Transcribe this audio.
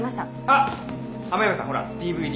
あっ雨宮さんほらＤＶＤ。